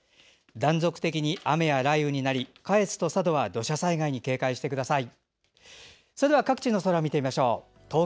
断続的に雨や雷雨になり下越と佐渡は土砂災害に警戒してください。